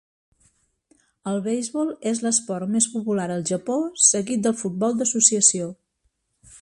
El beisbol és l'esport més popular al Japó, seguit pel futbol d'associació.